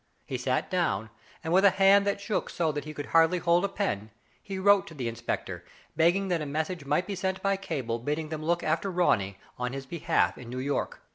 He sat down, and, with a hand that shook so that he could hardly hold the pen, he wrote to the inspector, begging that a message might be sent by cable, bidding them look after Ronny on his behalf in New York.